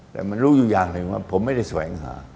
แต่มันรู้อยู่อย่างหนึ่งว่าผมไม่ได้แสวงหา